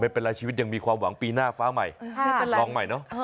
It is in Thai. ไม่เป็นไรชีวิตยังมีความหวังปีหน้าฟ้าใหม่ร้องใหม่เนาะ